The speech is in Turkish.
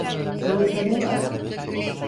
Orada ne var?